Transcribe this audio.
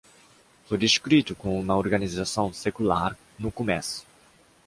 Foi descrito como uma organização secular no começo.